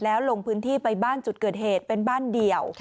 แล้วลงพื้นที่ไปบ้านจุดเกิดเหตุเป็นบ้านเดี่ยว